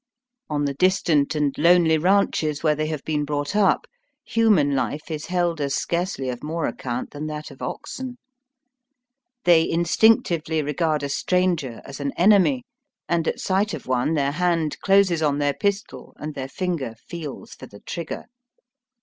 On the distant and lonely ranches where they have been brought up, ' human life is held as scarcely of more account than that of oxen. They instinctively regard a stranger as an enemy, and at sight of one their hand closes on their pistol and their finger feels for the trigger.